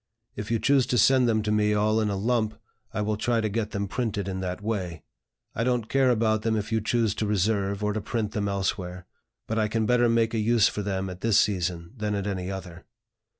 If you choose to send them to me all in a lump, I will try to get them printed in that way. I don't care about them if you choose to reserve, or to print them elsewhere; but I can better make a use for them at this season than at any other."